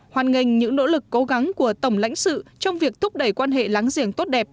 hoàn ngành những nỗ lực cố gắng của tổng lãnh sự trong việc thúc đẩy quan hệ láng giềng tốt đẹp